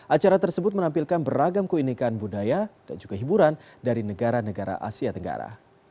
acara tersebut menampilkan beragam keunikan budaya dan juga hiburan dari negara negara asia tenggara